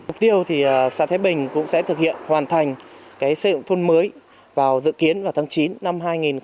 mục tiêu thì xã thái bình cũng sẽ thực hiện hoàn thành cái xây dựng thôn mới vào dự kiến vào tháng chín năm hai nghìn một mươi chín